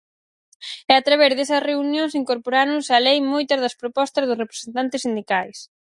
E a través desas reunións incorporáronse á lei moitas das propostas dos representantes sindicais.